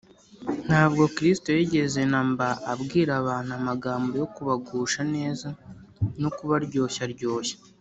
ntabwo kristo yigeze na mba abwira abantu amagambo yo kubagusha neza no kubaryoshyaryoshya